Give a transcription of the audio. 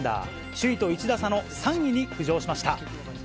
首位と１打差の３位に浮上しました。